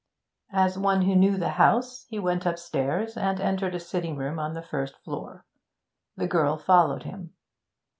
As one who knew the house, he went upstairs, and entered a sitting room on the first floor. The girl followed him.